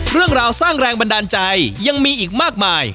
เรื่องราวสร้างแรงบันดาลใจยังมีอีกมากมาย